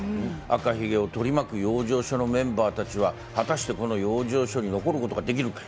赤ひげを取り巻く養生所のメンバーたちは、果たしてこの養生所に残ることができるのか。